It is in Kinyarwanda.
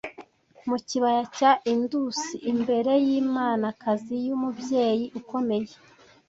mu kibaya cya Indus imbere y'Imanakazi y’Umubyeyi Ukomeye